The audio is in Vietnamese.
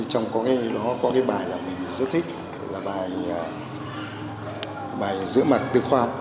trong có nghe đó có cái bài là mình rất thích là bài giữa mặt tư khoa học